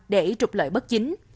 để trục lợi bất chính